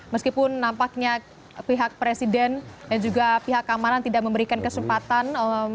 meskipun nampaknya pihak presiden dan juga pihak keamanan tidak memberikan kesempatan